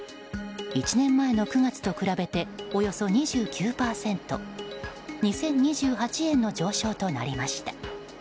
１年前の９月と比べておよそ２９％２０２８円の上昇となりました。